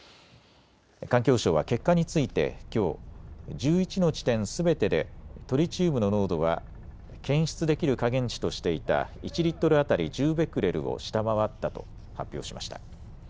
環境省は結果についてきょう、１１の地点すべてでトリチウムの濃度は検出できる下限値としていた１リットル当たり１０ベクレルを下回ったと発表しました。